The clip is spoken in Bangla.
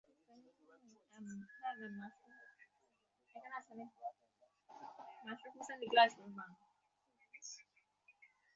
দিদি, আমরা পাশের ঘরেই ছিলুম।